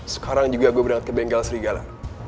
sekarang juga gue berangkat ke bengkel serigala